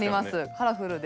カラフルで。